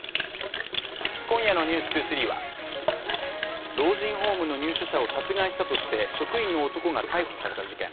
今夜の「ｎｅｗｓ２３」は老人ホームの入所者を殺害したとして職員の男が逮捕された事件。